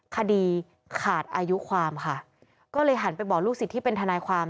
คดีขาดอายุความค่ะก็เลยหันไปบอกลูกศิษย์ที่เป็นทนายความ